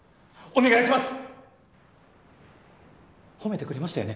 お願いします。